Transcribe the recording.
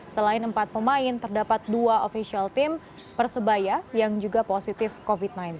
selain empat pemain terdapat dua official team persebaya yang juga positif covid sembilan belas